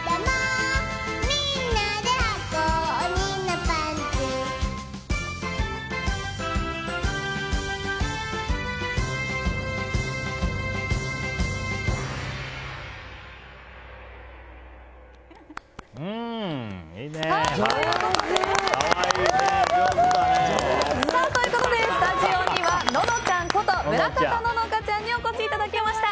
可愛いね、上手だね。ということで、スタジオにはののちゃんこと村方乃々佳ちゃんにお越しいただきました。